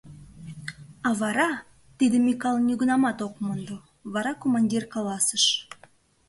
А вара... — тидым Микале нигунамат ок мондо! — вара командир каласыш: